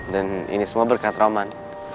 dan ini semua berkat roman